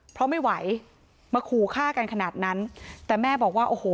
เพราะไม่ไหวมาขู่ฆ่ากันขนาดนั้นแต่แม่บอกว่าโอ้โห